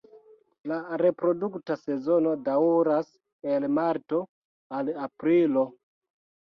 La reprodukta sezono daŭras el marto al aprilo.